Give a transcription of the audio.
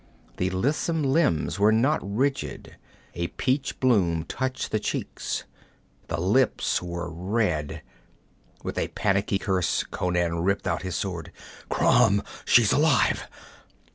The lissom limbs were not rigid, a peach bloom touched the cheeks, the lips were red With a panicky curse Conan ripped out his sword. 'Crom! She's alive!'